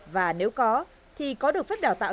và nếu có thì có được phép đào tạo